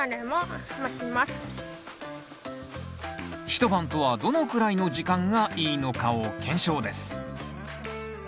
一晩とはどのくらいの時間がいいのかを検証です。